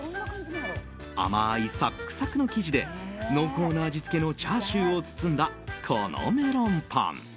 甘いサックサクの生地で濃厚な味付けのチャーシューを包んだ、このメロンパン。